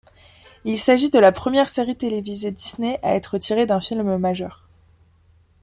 Il s'agit de la première série télévisée Disney à être tirée d'un film majeur.